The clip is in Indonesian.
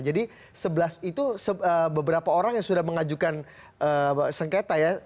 jadi itu beberapa orang yang sudah mengajukan sengketa ya